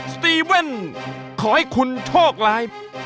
สตีเว่นขอให้คุณโทษร้าย